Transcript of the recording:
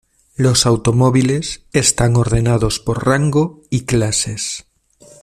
Los automóviles están ordenados por rango y clases.